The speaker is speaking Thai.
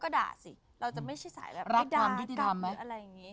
ก็ด่าสิเราจะไม่ใช่สายแบบไม่ด่ากันรักความยุทธิธรรมไหม